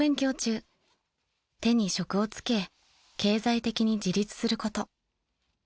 ［手に職を付け経済的に自立すること］